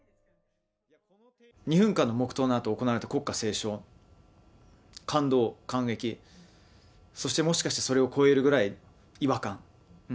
２分間の黙とうのあと行われた国歌斉唱、感動、感激、そしてもしかしてそれを超えるくらい違和感。